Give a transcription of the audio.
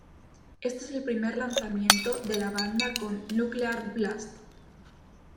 Este es el primer lanzamiento de la banda con Nuclear Blast.